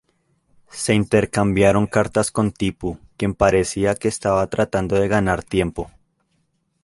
Se intercambiaron cartas con con Tipu, quien parecía que estaba tratando de ganar tiempo.